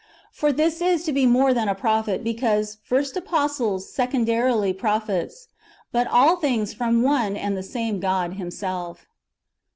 For this is to be more than a prophet, because, " first apostles, secondarily prophets;"^ but all things from one and the same God Himself.